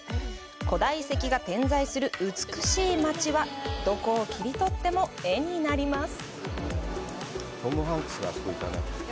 古代遺跡が点在する美しい街はどこを切り取っても絵になります。